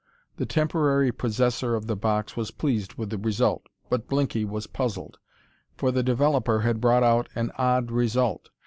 The temporary possessor of the box was pleased with the result but Blinky was puzzled. For the developer had brought out an odd result.